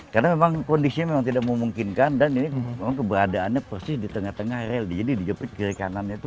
karena memang kondisinya memang tidak memungkinkan dan ini memang keberadaannya persis di tengah tengah rel jadi di jepit kiri kanannya itu rel